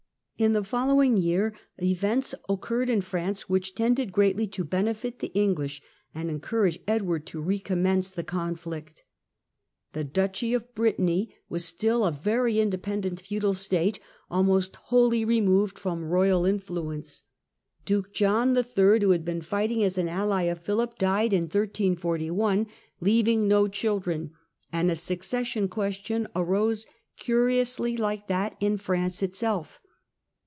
In the following year, events occurred in France which Disputed tended greatly to benefit the English and encouraged Ed in Brit *'" ward to recommence the conflict. The Duchy of Brittany ^^^y ^'^"^^ 134 THE END OF THE MIDDLE AGE was still a veiy independent feudal State, almost wholly removed from royal influence. Duke John III., who had been fighting as an ally of PhiHp, died in 1341 leav ing no children, and a succession question arose curiously like that in France itself.